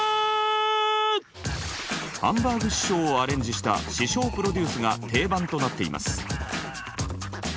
ハンバーグ師匠をアレンジした師匠プロデュースが定番となっています。